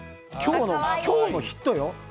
今日のヒットよ。